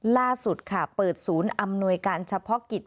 ล่าสุดค่ะเปิดศูนย์อำนวยการเฉพาะกิจ